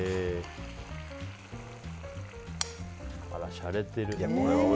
しゃれてる。